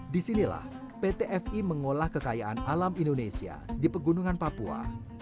disinilah pt fi mengolah kekayaan alam indonesia di pegunungan papua